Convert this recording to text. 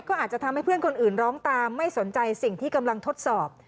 ก็อาจจะทำให้เพื่อนคนอื่นร้องตามไม่สนใจสิ่งที่กำลังทดสอบ